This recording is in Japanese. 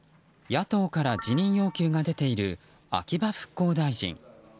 野党から辞任要求が出ている秋葉復興大臣。